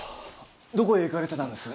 どこへ行かれてたんです？